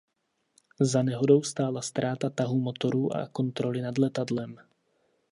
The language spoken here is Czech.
Za nehodou stála ztráta tahu motorů a kontroly nad letadlem.